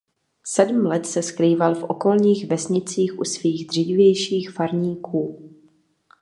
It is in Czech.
Sedm let se skrýval v okolních vesnicích u svých dřívějších farníků.